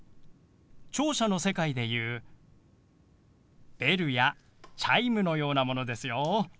聴者の世界でいうベルやチャイムのようなものですよ。